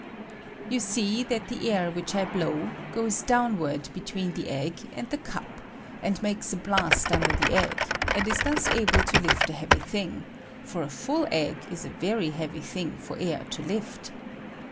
] You see that the air which I blow goc3 down ward between the egg and the cup, and makes a blast under the egg, and is thus able to lift a heavy thing; for a full egg is a very heavy thing for air to lift.